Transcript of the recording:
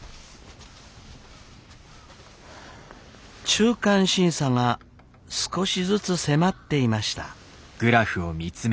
中間審査が少しずつ迫っていました。